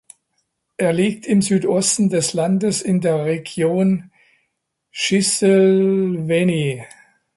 Er liegt im Südosten des Landes in der Region Shiselweni.